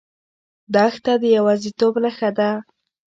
دښته د یوازیتوب نښه ده.